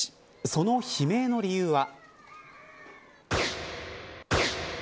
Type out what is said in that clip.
その悲鳴の理由は。